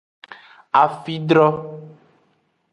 Afidro.